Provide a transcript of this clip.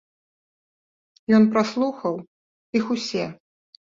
Ён праслухаў іх усе!